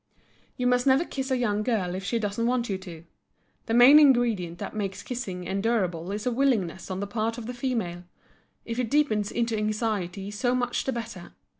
You must never kiss a young girl if she doesn't want you to. The main ingredient that makes kissing endurable is a willingness on the part of the female. If it deepens into anxiety so much the better.